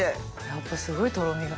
やっぱすごいとろみが。